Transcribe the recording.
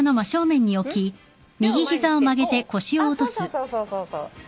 そうそうそうそう。